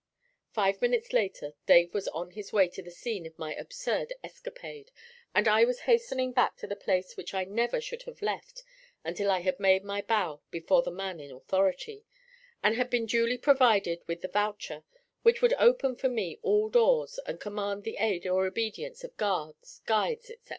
Five minutes later Dave was on his way to the scene of my absurd escapade, and I was hastening back to the place which I never should have left until I had made my bow before the 'man in authority,' and had been duly provided with the voucher which would open for me all doors and command the aid or obedience of guards, guides, etc.